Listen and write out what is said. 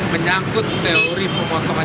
menyangkut teori pemotongan